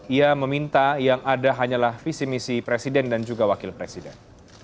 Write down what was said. ia meminta yang ada hanyalah visi misi presiden dan juga wakil presiden